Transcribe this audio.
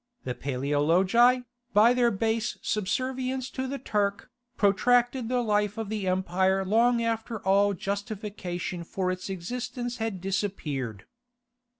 The Paleologi, by their base subservience to the Turk, protracted the life of the empire long after all justification for its existence had disappeared.